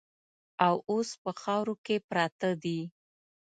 او اوس په خاورو کې پراته دي.